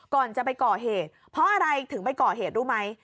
ก่อนจะไปก่อเหตุเพราะอะไรถึงไปก่อเหตุรู้ไหม